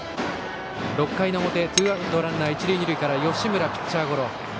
６回の表、ツーアウトランナー、一塁二塁から吉村はピッチャーゴロ。